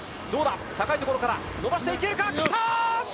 どうだ、高いところから伸ばしていけるか。